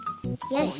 よし！